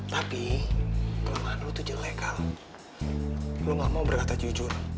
tapi kelemahan lo tuh jelek kal lo ga mau berkata jujur